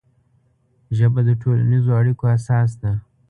ژبه د ټولنیزو اړیکو اساس ده